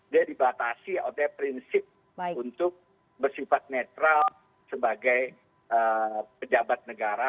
dia dibatasi oleh prinsip untuk bersifat netral sebagai pejabat negara